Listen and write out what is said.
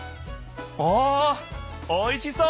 おおいしそう！